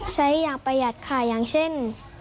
ใช้อย่างประหยัดค่ะอย่างเช่น